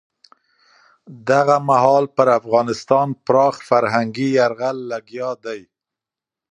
دغه مهال پر افغانستان پراخ فرهنګي یرغل لګیا دی.